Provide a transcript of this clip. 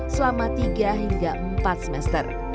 selama tiga hingga empat semester